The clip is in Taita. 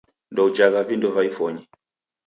Ndoujhagha vindo va ifonyi